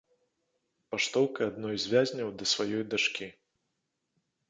Паштоўка адной з вязняў да сваёй дачкі.